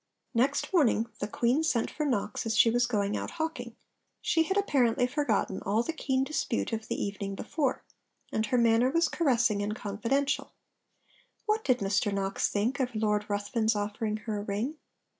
Next morning the Queen sent for Knox as she was going out hawking. She had apparently forgotten all the keen dispute of the evening before; and her manner was caressing and confidential. What did Mr Knox think of Lord Ruthven's offering her a ring?